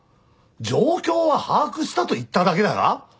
「状況は把握した」と言っただけだが？